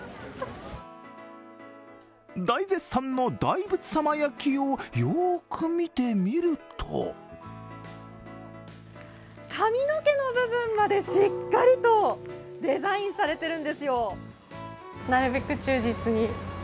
大絶賛の大仏さま焼きをよーく見てみると髪の毛の部分までしっかりとデザインされてるんですよ。